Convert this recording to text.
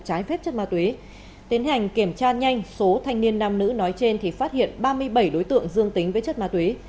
trái phép chất ma túy tiến hành kiểm tra nhanh số thanh niên nam nữ nói trên thì phát hiện ba mươi bảy đối tượng dương tính với chất ma túy